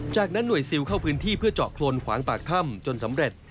จากนั้นหน่วยซิลเข้าพื้นที่เพื่อเจาะโครนขวางปากถ้ำจนสำเร็จ